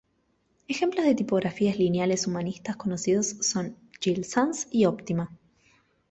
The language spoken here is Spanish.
Ejemplos de tipografías lineales humanistas conocidos son Gill Sans y Optima.